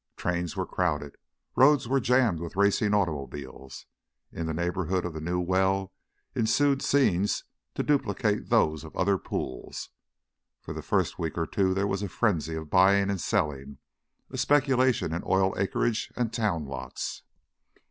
Trains were crowded, roads were jammed with racing automobiles; in the neighborhood of the new well ensued scenes to duplicate those of other pools. For the first week or two there was a frenzy of buying and selling, a speculation in oil acreage and town lots.